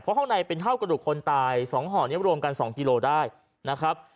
เพราะข้างในเป็นเท่ากระดูกคนตาย๒ห่อนี้รวมกัน๒กิโลได้นะครับ